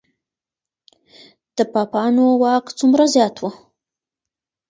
د پاپانو واک څومره زیات و؟